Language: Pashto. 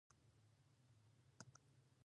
د پېرودنې لپاره دری کسیز پلاوي ته اړتياده.